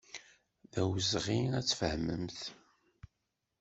D awezɣi ad tfehmemt.